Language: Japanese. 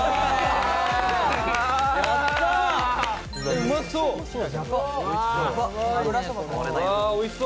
・うまそう！